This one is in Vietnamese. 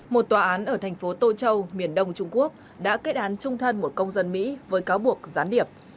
một tòa án ở thành phố tô châu miền đông trung quốc đã kết án trung thân một công dân mỹ với cáo buộc gián điệp